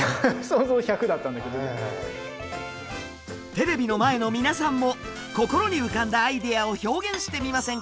テレビの前の皆さんも心に浮かんだアイデアを表現してみませんか？